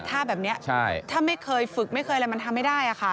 ถ้าแบบนี้ถ้าไม่เคยฝึกไม่เคยอะไรมันทำไม่ได้ค่ะ